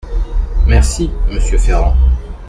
Merci, monsieur Ferrand.